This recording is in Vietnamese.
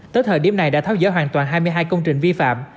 tới thời điểm này đã tháo dỡ hoàn toàn hai mươi hai công trình vi phạm